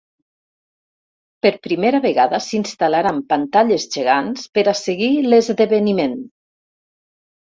Per primera vegada s’instal·laran pantalles gegants per a seguir l’esdeveniment.